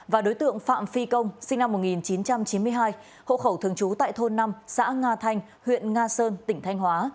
và đối tượng phạm phi công sinh năm một nghìn chín trăm chín mươi hai hộ khẩu thường trú tại thôn năm xã nga thanh huyện nga sơn tỉnh thanh hóa